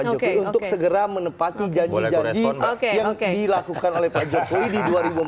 pak jokowi untuk segera menepati janji janji yang dilakukan oleh pak jokowi di dua ribu empat belas